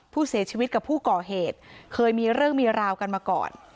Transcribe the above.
ผู้เสียชีวิตกับผู้ก่อเหตุเคยมีเรื่องมีราวกันมาก่อน